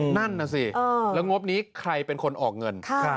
นั่นน่ะสิแล้วงบนี้ใครเป็นคนออกเงิน